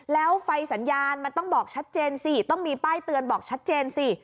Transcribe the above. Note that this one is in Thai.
แล้วไฟสัญญาณมันต้องบอกชัดเจนสิต้องมีป้ายเตือนบอกชัดเจนสิ